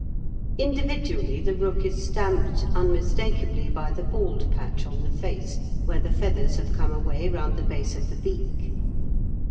Individually the rook is stamped unmistakably by the bald patch on the face, where the feathers have come away round the base of the beak.